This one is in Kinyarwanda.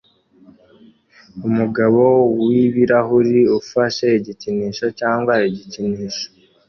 Umugabo w ibirahuri ufashe igikinisho cyangwa igikinisho